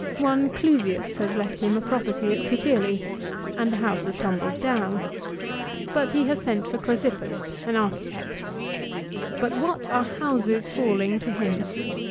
One Cluvius has left him a property at Puteoli, and the house has tumbled down. But he has sent for Chrysippus an architect. But what are houses falling to him?